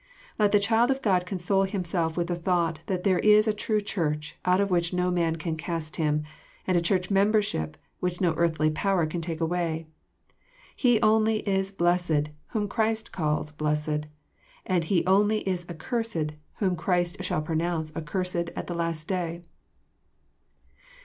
Let the child of God console him self with the thought that there is a true Church out of which no man can cast him, and a Church membership which no earthly power can take away. He only is blessed whom Christ calls blessed; and he only is accursed whom Christ shall pronounce accursed at the last day.